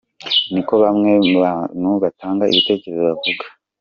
Ni ko bamwe mu bantu batanga ibitekerezo bavuga.